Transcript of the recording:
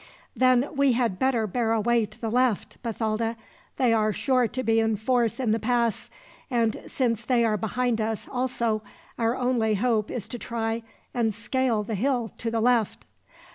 "Then we had better bear away to the left, Bathalda. They are sure to be in force in the pass; and since they are behind us, also, our only hope is to try and scale the hill to the left."